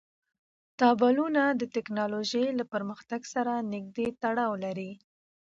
تالابونه د تکنالوژۍ له پرمختګ سره نږدې تړاو لري.